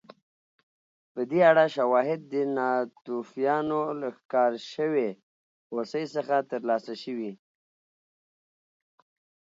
په دې اړه شواهد د ناتوفیانو له ښکار شوې هوسۍ څخه ترلاسه شوي